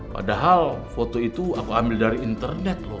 padahal foto itu aku ambil dari internet loh